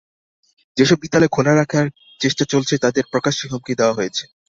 যেসব বিদ্যালয় খোলা রাখ চেষ্টা চলেছে, তাদের প্রকাশ্যে হুমকি দেওয়া হয়েছে।